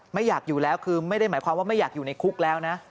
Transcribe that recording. ไม่อยากอยู่แล้วคือไม่ได้หมายความว่าไม่อยากอยู่ในคุกแล้วนะ